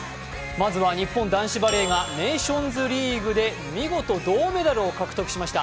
まずは日本男子バレーがネーションズリーグで見事、銅メダルを獲得しました。